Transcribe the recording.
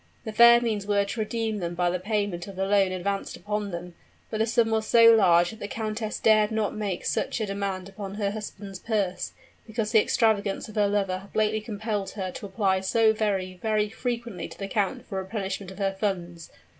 The fair means were to redeem them by the payment of the loan advanced upon them; but the sum was so large that the countess dared not make such a demand upon her husband's purse, because the extravagances of her lover had lately compelled her to apply so very, very frequently to the count for a replenishment of her funds.